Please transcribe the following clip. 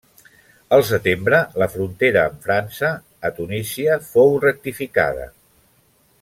El setembre la frontera amb França a Tunísia fou rectificada.